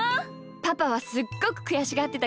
パパはすっごくくやしがってたけどね。